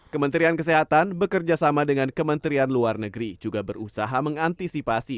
kementerian kesehatan bekerjasama dengan kementerian luar negeri juga berusaha mengantisipasi